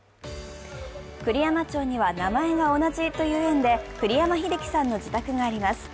栗山町には、名前が同じという縁で栗山英樹さんの自宅があります。